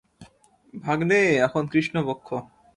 ভাগ্নে, এখন কৃষ্ণপক্ষ!